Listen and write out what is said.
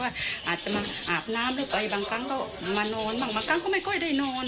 อาบน้ำและบางครั้งก็มานอนบางครั้งก็ไม่ได้นอน